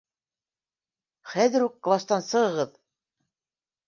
— Хәҙер үк кластан сығығыҙ!